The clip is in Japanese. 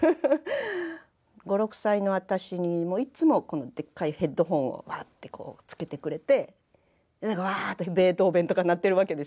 ５６歳の私にいつもこのでっかいヘッドホンをワッてこうつけてくれてでワーッとベートーベンとか鳴ってるわけですよ。